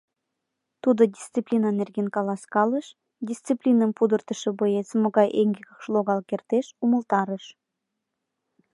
Тудо дисциплина нерген каласкалыш, дисциплиным пудыртышо боец могай эҥгекыш логал кертеш — умылтарыш.